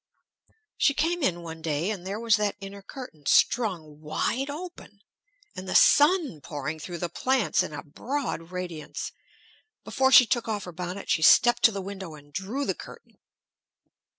She came in one day, and there was that inner curtain strung wide open, and the sun pouring through the plants in a broad radiance. Before she took off her bonnet she stepped to the window and drew the curtain.